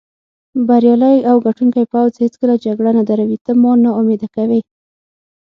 بریالی او ګټوونکی پوځ هېڅکله جګړه نه دروي، ته ما نا امیده کوې.